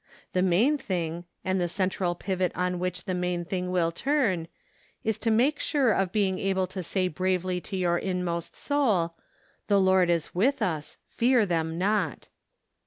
The main thing, and the central pivot on which the main thing will turn, is to make sure of being able to say bravely to your inmost soul: " The Lord is with us, fear them not.'